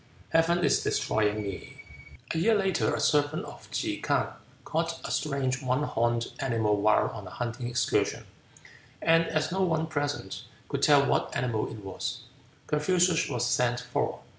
Heaven is destroying me!" A year later a servant of Ke K'ang caught a strange one horned animal while on a hunting excursion, and as no one present, could tell what animal it was, Confucius was sent for.